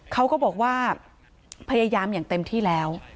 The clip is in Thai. เขาก็บอกว่าพยายามอย่างเต็มที่แล้ว